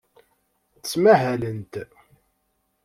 Ttmahalent.